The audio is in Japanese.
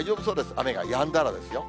雨がやんだらですよ。